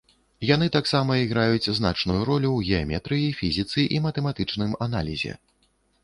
Яны таксама іграюць значную ролю ў геаметрыі, фізіцы і матэматычным аналізе.